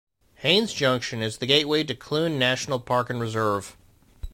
Haines Junction is the gateway to Kluane National Park and Reserve.